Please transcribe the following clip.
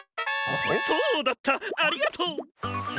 そうだったありがとう！